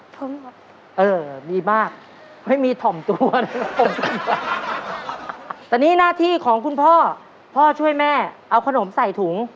เออมีมากไม่มีถ่อมตัวนะครับผมแต่นี่หน้าที่ของคุณพ่อพ่อช่วยแม่เอาขนมใส่ถุง